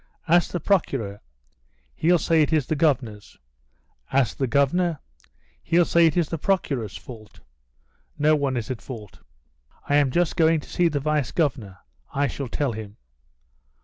"Ask the Procureur, he'll say it is the Governor's; ask the Governor, he'll say it is the Procureur's fault. No one is in fault." "I am just going to see the Vice Governor. I shall tell him."